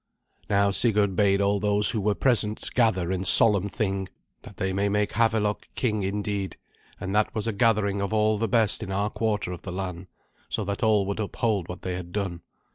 Now Sigurd bade all those who were present gather in solemn Thing, that they might make Havelok king indeed; and that was a gathering of all the best in our quarter of the land, so that all would uphold what they had done.